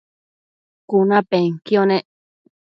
cunapenquio nec